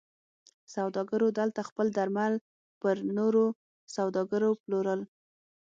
سوداګرو دلته خپل درمل پر نورو سوداګرو پلورل.